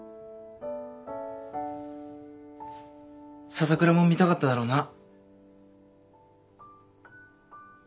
笹倉も見たかっただろうな。